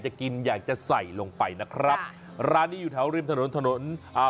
จะกินอยากจะใส่ลงไปนะครับร้านนี้อยู่แถวริมถนนถนนอ่า